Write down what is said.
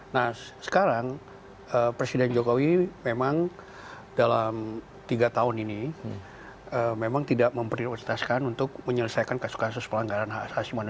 nah sekarang presiden jokowi memang dalam tiga tahun ini memang tidak memprioritaskan untuk menyelesaikan kasus kasus pelanggaran hak asasi manusia